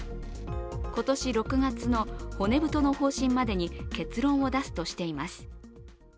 今年６月の骨太の方針までに結論を出すとしています。